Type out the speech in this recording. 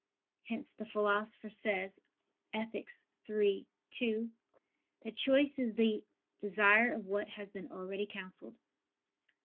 Hence the Philosopher says (Ethic. iii, 2) that choice is the "desire of what has been already counselled."